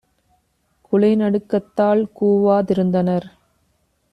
குலைநடுக் கத்தால் கூவா திருந்தனர்!